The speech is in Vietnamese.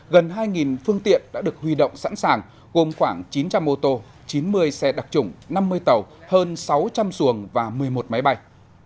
gần hai phương tiện đã được huy động sẵn sàng gồm khoảng chín trăm linh ô tô chín mươi xe đặc trủng năm mươi tàu hơn sáu trăm linh xuồng và một mươi một máy bay